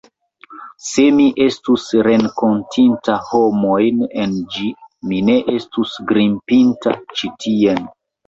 Se mi estus renkontinta homojn en ĝi, mi ne estus grimpinta ĉi tien.